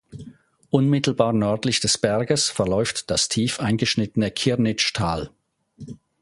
Unmittelbar nördlich des Berges verläuft das tief eingeschnittene Kirnitzschtal.